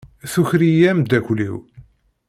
Tuker-iyi amdakel-iw!